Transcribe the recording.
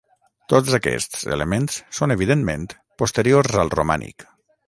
Tots aquests elements són evidentment posteriors al romànic.